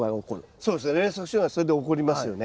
そうですね連作障害それでおこりますよね。